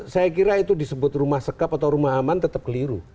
saya kira itu disebut rumah sekap atau rumah aman tetap keliru